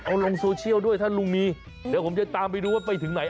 เอาลงโซเชียลด้วยถ้าลุงมีเดี๋ยวผมจะตามไปดูว่าไปถึงไหน